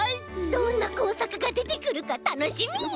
どんなこうさくがでてくるかたのしみ！